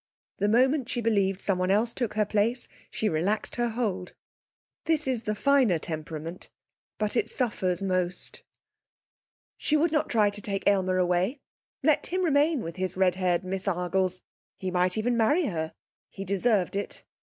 The moment she believed someone else took her place she relaxed her hold. This is the finer temperament, but it suffers most. She would not try to take Aylmer away. Let him remain with his red haired Miss Argles! He might even marry her. He deserved it.